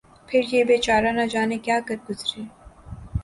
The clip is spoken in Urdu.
پھر یہ بے چارہ نہ جانے کیا کر گزرے